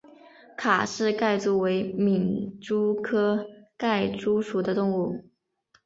卡氏盖蛛为皿蛛科盖蛛属的动物。